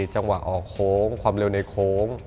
จังหวะออกโค้งความเร็วในโค้ง